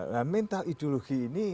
nah mental ideologi ini